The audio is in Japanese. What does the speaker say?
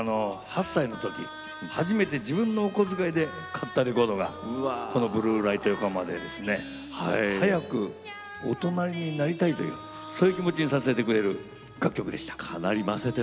８歳のとき初めて自分のお小遣いで買ったレコードが「ブルー・ライト・ヨコハマ」で早く大人になりたいというそういう気持ちにさせてくれる楽曲でした。